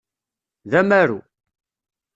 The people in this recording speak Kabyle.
D amaru.